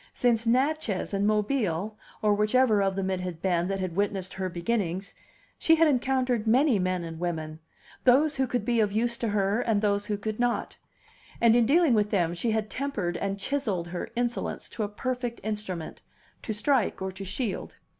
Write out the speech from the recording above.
Since Natchez and Mobile (or whichever of them it had been that had witnessed her beginnings) she had encountered many men and women, those who could be of use to her and those who could not; and in dealing with them she had tempered and chiselled her insolence to a perfect instrument, to strike or to shield.